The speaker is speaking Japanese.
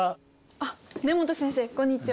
あっ根元先生こんにちは。